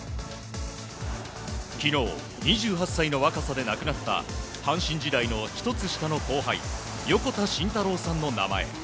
昨日、２８歳の若さで亡くなった阪神時代の１つ下の後輩横田慎太郎さんの名前。